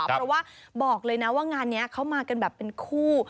เพราะว่าบอกเลยนะว่างานนี้เขามากันแบบเป็นคู่